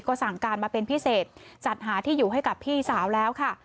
ก็สั่งการมาเป็นพิเศษจัดหาที่อยู่ให้กับพี่สาวแล้วค่ะ